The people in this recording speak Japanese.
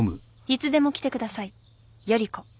「いつでも来てください依子」